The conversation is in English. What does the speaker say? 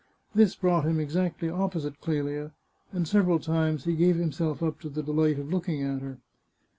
This brought him exactly opposite Clelia, and several times he gave himself up to the delight of looking at her.